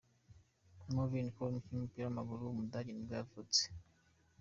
Marvin Knoll, umukinnyi w’umupira w’amaguru w’umudage nibwo yavutse.